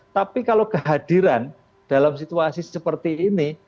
tapi kalau kehadiran dalam situasi seperti ini